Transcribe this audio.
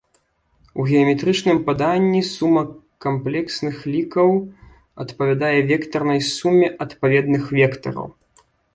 У геаметрычным паданні сума камплексных лікаў адпавядае вектарнай суме адпаведных вектараў.